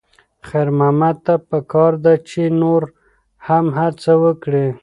خیر محمد ته پکار ده چې نور هم هڅه وکړي.